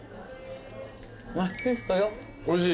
おいしい？